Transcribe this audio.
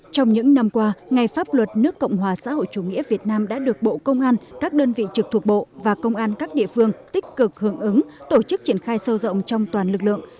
trong những năm qua ngày pháp luật nước cộng hòa xã hội chủ nghĩa việt nam đã được bộ công an các đơn vị trực thuộc bộ và công an các địa phương tích cực hưởng ứng tổ chức triển khai sâu rộng trong toàn lực lượng